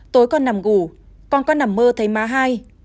tối con nằm ngủ con con nằm mơ thấy má hai